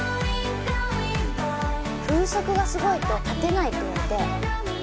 風速がすごいと立てないって言われて。